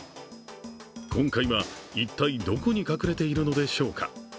今回は一体どこに隠れているのでしょうか。